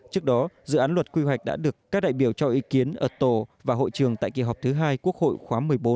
trước đó dự án luật quy hoạch đã được các đại biểu cho ý kiến ở tổ và hội trường tại kỳ họp thứ hai quốc hội khóa một mươi bốn